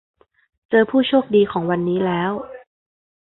เจอผู้โชคดีของวันนี้แล้ว